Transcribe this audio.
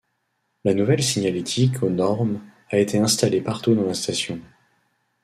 La nouvelle signalétique aux normes a été installée partout dans la station.